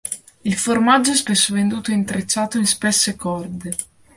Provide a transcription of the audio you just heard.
Il formaggio è spesso venduto intrecciato in spesse corde.